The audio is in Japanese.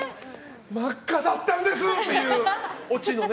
真っ赤だったんです！っていうオチのね。